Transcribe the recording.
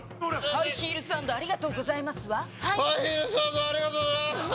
ハイヒールサンドありがとうございます。